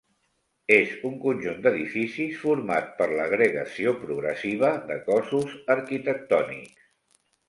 És un conjunt d'edificis format per l'agregació progressiva de cossos arquitectònics.